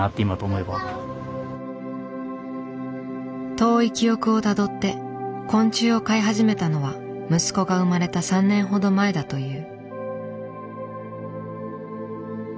遠い記憶をたどって昆虫を飼い始めたのは息子が生まれた３年ほど前だという。